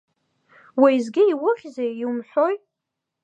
Уеизгьы иухьзеи, иумҳәои?